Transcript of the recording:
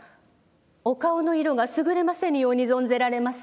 お顔の色がすぐれませぬように存ぜられます」。